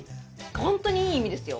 ホントにいい意味ですよ